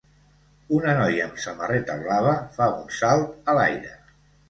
Una noia amb samarreta blava fa un salt a l'aire.